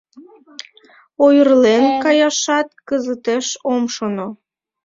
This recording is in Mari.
— Ойырлен каяшат кызытеш ом шоно.